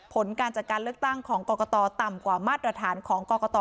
ผลการจัดการเลือกตั้งของกรกตต่ำกว่ามาตรฐานของกรกต